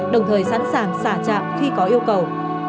đồng thời sẵn sàng xả trạm khi có yêu cầu